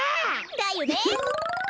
だよね。